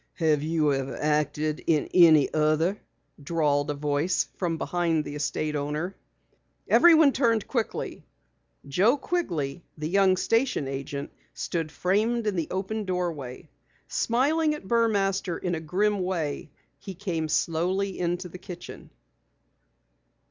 "Have you ever acted in any other?" drawled a voice from behind the estate owner. Everyone turned quickly. Joe Quigley, the young station agent, stood framed in the open doorway. Smiling at Burmaster in a grim way, he came slowly into the kitchen.